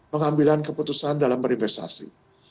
pengambilan keputusan dalam berinvestasi